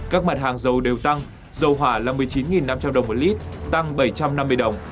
các mặt hàng dầu đều tăng dầu hỏa là một mươi chín năm trăm linh đồng một lít tăng bảy trăm năm mươi đồng